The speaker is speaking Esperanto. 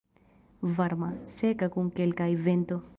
Varma, seka kun kelkaj vento.